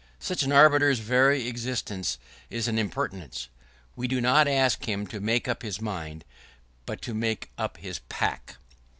Such an arbiter's very existence is an impertinence. We do not ask him to make up his mind, but to make up his pack.